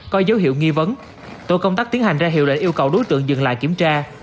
có dấu hiệu nghi vấn tổ công tác tiến hành ra hiệu lệnh yêu cầu đối tượng dừng lại kiểm tra